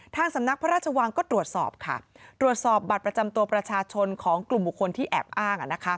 ทางสำนักพระราชวังก็ตรวจสอบค่ะตรวจสอบบัตรประจำตัวประชาชนของกลุ่มบุคคลที่แอบอ้าง